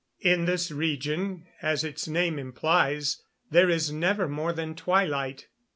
In this region, as its name implies, there is never more than twilight.